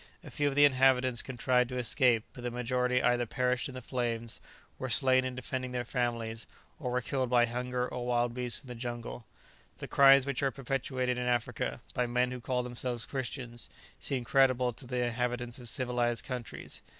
A few of the inhabitants contrived to escape, but the majority either perished in the flames, were slain in defending their families, or were killed by hunger or wild beasts in the jungle.... The crimes which are perpetuated in Africa, by men who call themselves Christians, seem incredible to the inhabitants of civilized countries.